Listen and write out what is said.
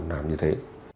làm như thế